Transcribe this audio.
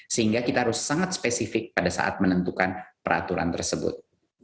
sehingga kita harus sangat spesifik pada saat menentukan peraturan tersebut